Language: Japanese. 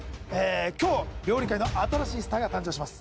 今日料理界の新しいスターが誕生します